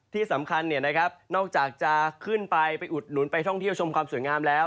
ที่สำคัญนอกจากจะขึ้นไปไปอุดหนุนไปท่องเที่ยวชมความสวยงามแล้ว